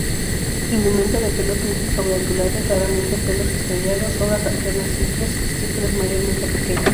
Indumento de pelos simples o glandulares, raramente pelos estrellados. Hojas alternas, simples; estípulas mayormente pequeñas.